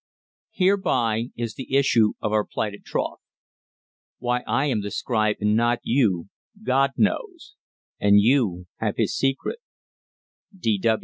Here, b'y, is the issue of our plighted troth. Why I am the scribe and not you, God knows: and you have his secret.